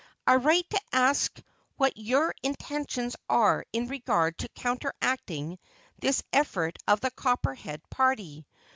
I write to ask what your intentions are in regard to counteracting this effort of the copperhead party.